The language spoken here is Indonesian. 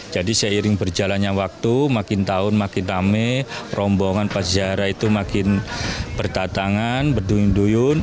jadi seiring berjalannya waktu makin tahun makin rame rombongan pasara itu makin bertatangan berduyun duyun